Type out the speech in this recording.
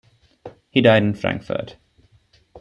He died in Frankfurt.